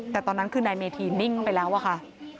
แต่ตอนนั้นคือนายเมธีนิ่งไปแล้วอะค่ะ